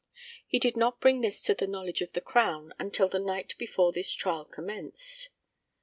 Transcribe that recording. He did not bring this to the knowledge of the Crown until the night before this trial commenced.